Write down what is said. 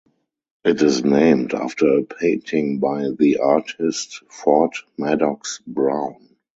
It is named after a painting by the artist Ford Madox Brown.